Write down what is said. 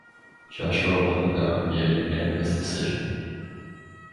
Joshua won the bout via unanimous decision.